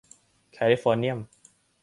แคลิฟอร์เนียม